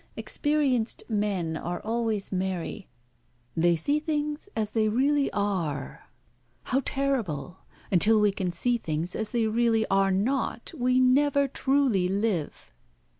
Experienced men are always merry. They see things as they really are. How terrible! until we can see things as they really are not we never truly live."